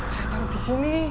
saya taruh disini